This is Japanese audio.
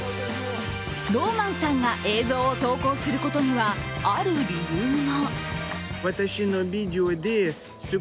ローマンさんが映像を投稿することには、ある理由が。